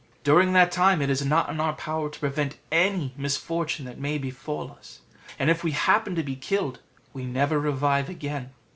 During that time it is not in our power to prevent any misfortune that may befall us; and if we happen to be killed, we never revive again.